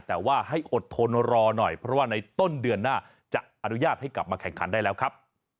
แต่ว่าให้อดทนรอหน่อยเพราะว่าในต้นเดือนหน้าจะอนุญาตให้กลับมาแข่งขันได้แล้วครับ